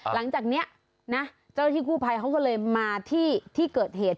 หลังจากนี้นะเจ้าที่กู้ภัยเขาก็เลยมาที่เกิดเหตุ